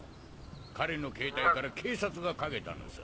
彼の携帯から警察がかけたのさ。